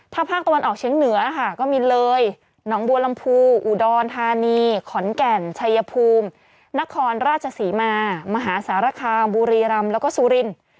ถ้าภาคตะวันออกเชียงเหนือค่ะก็มีเลยหนองบัวลำพูอุดรธานีขอนแก่นชัยภูมินครราชศรีมามหาสารคามบุรีรำแล้วก็สุรินทร์